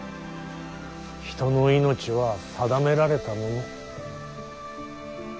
人の命は定められたもの。